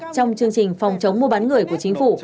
trong chương trình phòng chống mua bán người của chính phủ